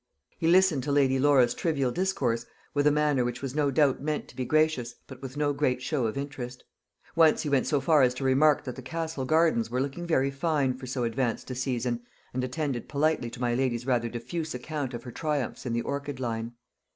He listened to Lady Laura's trivial discourse with a manner which was no doubt meant to be gracious, but with no great show of interest. Once he went so far as to remark that the Castle gardens were looking very fine for so advanced a season, and attended politely to my lady's rather diffuse account of her triumphs in the orchid line.